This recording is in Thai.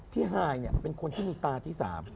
พี่ไห้เนี่ยเป็นคนที่มีตาที่๓